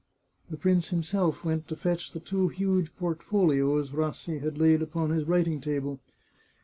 The prince himself went to fetch the two huge portfolios Rassi had laid upon his writing table.